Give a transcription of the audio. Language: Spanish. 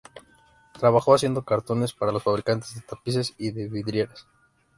Trabajó haciendo cartones para los fabricantes de tapices y de vidrieras.